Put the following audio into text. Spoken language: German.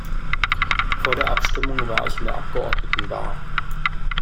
Vor der Abstimmung war ich in der Abgeordnetenbar.